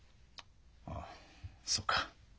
ああそうか。